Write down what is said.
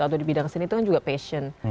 atau di bidang seni itu kan juga passion